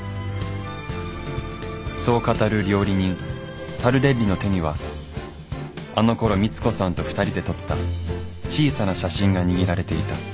そう語る料理人タルデッリの手にはあのころ光子さんと２人で撮った小さな写真が握られていた。